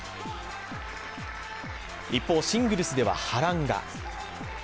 一方、シングルスでは波乱が。